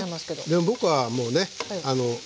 でも僕はもうねあの。